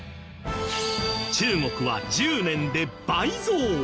中国は１０年で倍増。